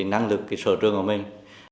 năng lực sở trường của mình